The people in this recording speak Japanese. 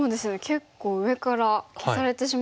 結構上から消されてしまいましたね。